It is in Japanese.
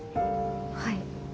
はい。